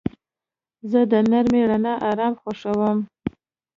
زه د نرمې رڼا آرام خوښوم.